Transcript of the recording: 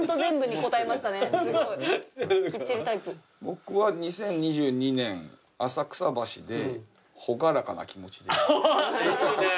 僕は「２０２２年浅草橋で朗らかな気持ちでいます」おっいいね！